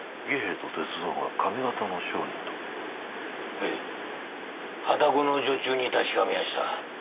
へい旅籠の女中に確かめやした。